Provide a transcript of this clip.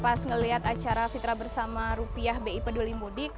pas ngeliat acara fitra bersama rupiah bi peduli mudik